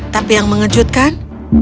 tapi yang mengejutkan